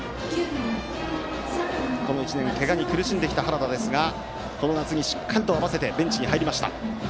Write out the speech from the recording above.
この１年、けがに苦しんできた原田ですがこの夏にしっかり合わせてベンチに入りました。